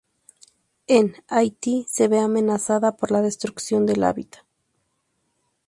En Haití se ve amenazada por la destrucción del hábitat.